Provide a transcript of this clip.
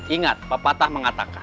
ingat papatah mengatakan